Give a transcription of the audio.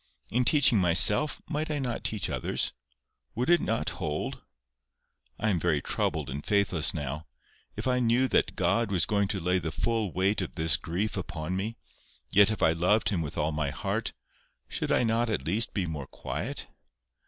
In teaching myself, might I not teach others? Would it not hold? I am very troubled and faithless now. If I knew that God was going to lay the full weight of this grief upon me, yet if I loved Him with all my heart, should I not at least be more quiet?